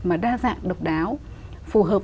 mà đa dạng độc đáo phù hợp